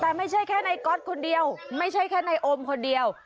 แต่ไม่ใช่แค่ในก๊อตคนเดียวไม่ใช่แค่นายโอมคนเดียว